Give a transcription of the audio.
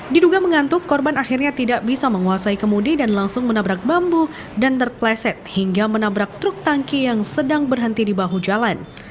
diduga mengantuk korban akhirnya tidak bisa menguasai kemudi dan langsung menabrak bambu dan terpleset hingga menabrak truk tangki yang sedang berhenti di bahu jalan